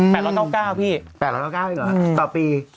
เนียน๘๙๙พี่